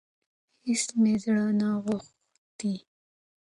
هيڅ مي زړه نه غوښتی .